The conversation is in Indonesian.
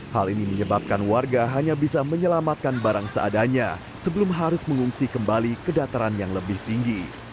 hal ini menyebabkan warga hanya bisa menyelamatkan barang seadanya sebelum harus mengungsi kembali ke dataran yang lebih tinggi